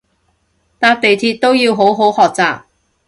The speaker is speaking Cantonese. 搭地鐵都要好好學習